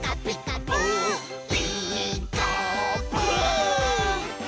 「ピーカーブ！」